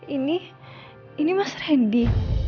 ini ini mas randy